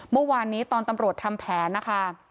เมื่อวานนี้ตอนตำรวจทำแผนนะคะ